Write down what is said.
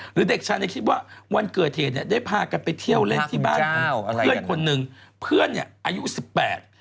หรือเด็กชายนี้คิดว่าวันเกิดเหตุได้พากันไปเที่ยวเล่นรถได้บ้านเพื่อนคนหนึ่ง